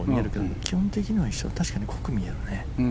基本的には一緒確かに濃く見えるね。